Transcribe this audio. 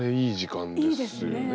あれいい時間ですよね。